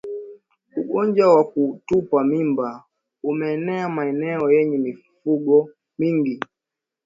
Ugonjwa wa kutupa mimba umeenea maeneo yenye mifugomingi